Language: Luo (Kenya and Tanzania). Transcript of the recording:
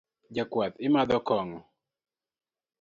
Jakuath imadho kong'o?